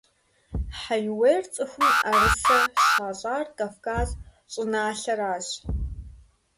Хьэиуейр цӀыхум Ӏэрысэ щащӀар Кавказ щӀыналъэращ.